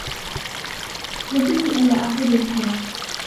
نبهني ألا أقود بسرعة.